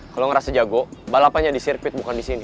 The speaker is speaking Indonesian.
kalau ngerasa jago balapannya di sirkuit bukan di sini